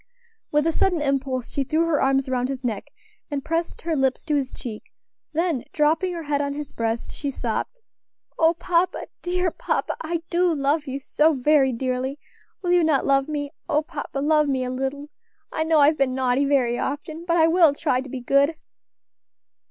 With a sudden impulse she threw her arms round his neck, and pressed her lips to his cheek; then dropping her head on his breast, she sobbed: "O papa! dear papa, I do love you so very dearly! will you not love me? O papa! love me a little. I know I've been naughty very often, but I will try to be good."